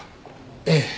ええ。